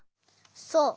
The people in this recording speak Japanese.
そう。